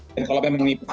dan kalau memang nipah